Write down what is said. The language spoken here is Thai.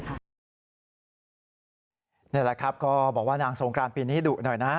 นี่แหละครับก็บอกว่านางสงกรานปีนี้ดุหน่อยนะ